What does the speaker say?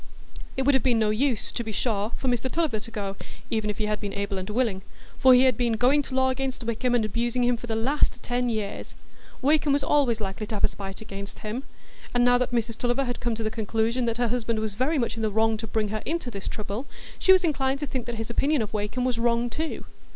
It would have been of no use, to be sure, for Mr Tulliver to go,—even if he had been able and willing,—for he had been "going to law against Wakem" and abusing him for the last ten years; Wakem was always likely to have a spite against him. And now that Mrs Tulliver had come to the conclusion that her husband was very much in the wrong to bring her into this trouble, she was inclined to think that his opinion of Wakem was wrong too.